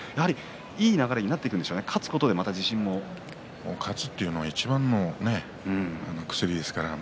いい流れになっていくんでしょう勝つことがいちばんの薬ですからね